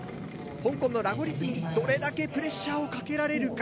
香港のラゴリ積みにどれだけプレッシャーをかけられるか。